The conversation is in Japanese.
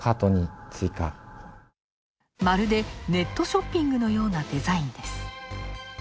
まるでネットショッピングのようなデザインです。